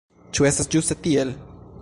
Ĉu estas ĝuste tiel?